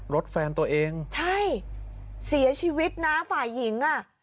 รถแฟนตัวเองใช่เสียชีวิตนะฝ่ายหญิงอ่ะ